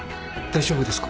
大丈夫です。